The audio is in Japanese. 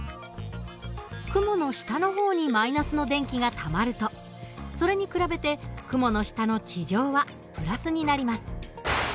雲の下の方に−の電気がたまるとそれに比べて雲の下の地上は＋になります。